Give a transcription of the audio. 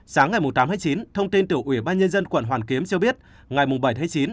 sáng ngày tám chín thông tin từ ủy ban nhân dân quận hoàn kiếm cho biết ngày bảy chín